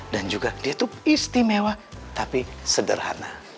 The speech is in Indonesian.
dan juga dia itu istimewa tapi sederhana